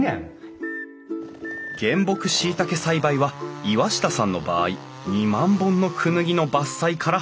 原木しいたけ栽培は岩下さんの場合２万本のクヌギの伐採から始まる。